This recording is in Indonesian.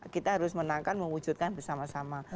kita harus menangkan mewujudkan bersama sama